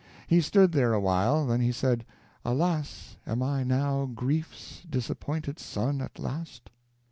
He stood there awhile; then he said, "Alas! am I now Grief's disappointed son at last?"